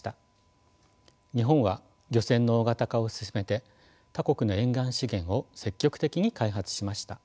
日本は漁船の大型化を進めて他国の沿岸資源を積極的に開発しました。